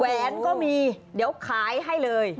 แหวนก็มีเดี๋ยวขายให้เลย